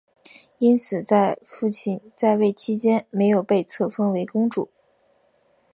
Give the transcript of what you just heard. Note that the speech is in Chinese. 因此在父亲在位期间没有被册封为公主。